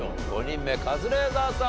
５人目カズレーザーさん